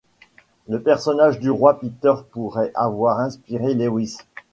Le personnage du roi Peter pourrait avoir inspiré Lewis.